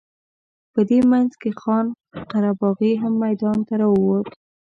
په دې منځ کې خان قره باغي هم میدان ته راووت.